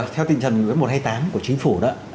theo tinh thần nguyễn một trăm hai mươi tám của chính phủ đó